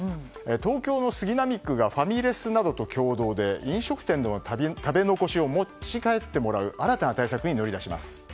東京の杉並区がファミレスなどと共同で飲食店の食べ残しを持ち帰ってもらう新たな対策に乗り出します。